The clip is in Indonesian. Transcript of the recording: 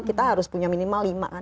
kita harus punya minimal lima kan